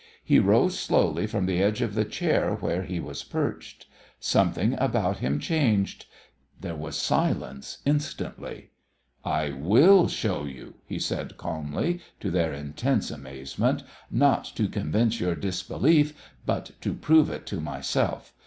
He rose slowly from the edge of the chair where he was perched. Something about him changed. There was silence instantly. "I will show you," he said calmly, to their intense amazement; "not to convince your disbelief, but to prove it to myself.